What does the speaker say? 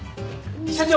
社長。